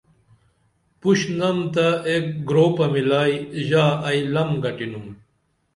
پُش نم تہ ایک گرُوپہ مِلائی ژا ائی لَم گٹِنُم